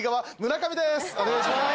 お願いします！